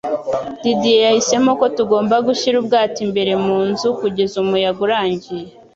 Didier yahisemo ko tugomba gushyira ubwato imbere mu nzu kugeza umuyaga urangiye.